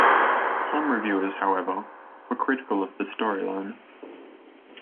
Some reviewers, however, were critical of the storyline.